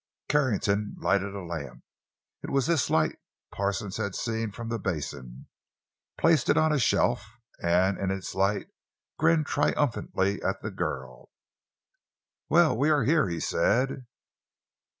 Carrington lighted a lamp—it was this light Parsons had seen from the basin—placed it on a shelf, and in its light grinned triumphantly at the girl. "Well, we are here," he said.